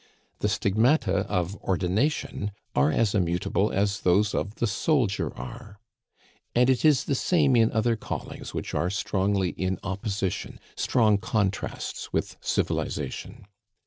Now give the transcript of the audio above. The stigmata of ordination are as immutable as those of the soldier are. And it is the same in other callings which are strongly in opposition, strong contrasts with civilization.